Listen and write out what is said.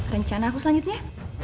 rencana aku selanjutnya